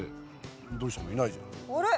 あれ？